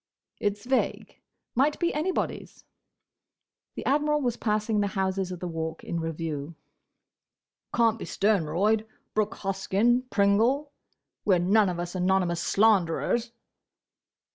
"It's vague: might be anybody's." The Admiral was passing the houses of the Walk in review. "Can't be Sternroyd—Brooke Hoskyn—Pringle—We 're none of us anonymous slanderers."